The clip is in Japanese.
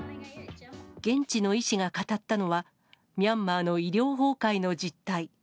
現地の医師が語ったのは、ミャンマーの医療崩壊の実態。